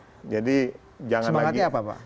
semangatnya apa pak